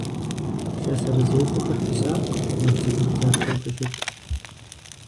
ЛъэсырызекӀуэхэр фысакъ, набдзэгубдзаплъэу фыщыт!